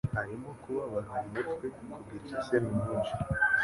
harimo Kubabara umutwe, Kugira iseseme nyinshi